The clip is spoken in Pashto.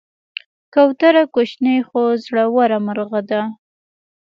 کوتره کوچنۍ خو زړوره مرغه ده.